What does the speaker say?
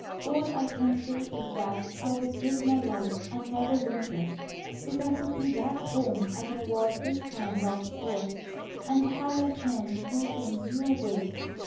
All I can say is that I'd give my life and never whimper, if I could be back home as I was this time last year, and have a chance to do things your way.